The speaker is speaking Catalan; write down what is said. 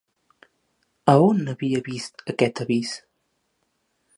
A on havia vist aquest l'avís?